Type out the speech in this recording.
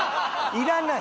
いらない！